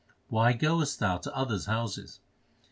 why goest thou to others houses